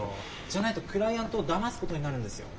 じゃないとクライアントをだますことになるんですよ。